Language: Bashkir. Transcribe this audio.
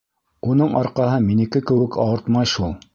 Уның арҡаһы минеке кеүек ауыртмай шул.